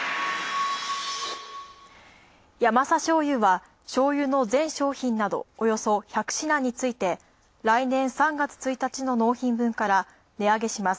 ヤマサ醤油は、しょうゆの全商品などおよそ１００品について、来年３月１日の納品分から値上げします。